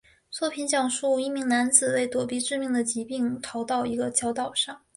作品讲述一名男子为躲避致命的疾病逃到一个小岛上。